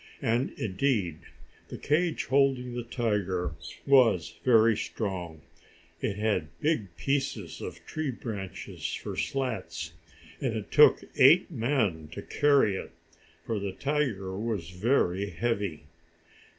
And indeed the cage holding the tiger was very strong. It had big pieces of tree branches for slats, and it took eight men to carry it, for the tiger was very heavy.